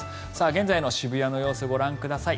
現在の渋谷の様子ご覧ください。